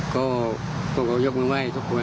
ก็พวกเขายกมือไหว้ทุกคน